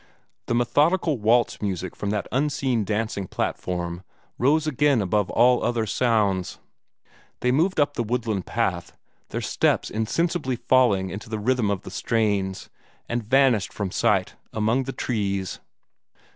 The methodical waltz music from that unseen dancing platform rose again above all other sounds. They moved up the woodland path, their steps insensibly falling into the rhythm of its strains, and vanished from sight among the trees.